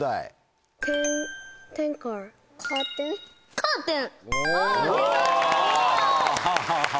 カーテン？